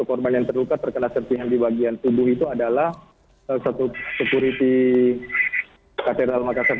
pengaman yang terluka terkena sertingan di bagian tubuh itu adalah satu security katedral makassar sendiri erhano